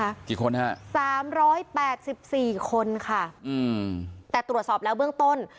กี่คนฮะสามร้อยแปดสิบสี่คนค่ะอืมแต่ตรวจสอบแล้วเบื้องต้น